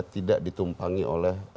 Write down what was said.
tidak ditumpangi oleh